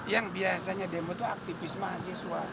yang biasanya demo itu aktivis mahasiswa